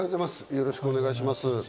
よろしくお願いします。